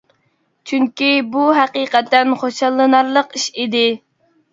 چۈنكى بۇ ھەقىقەتەن خۇشاللىنارلىق ئىش ئىدى.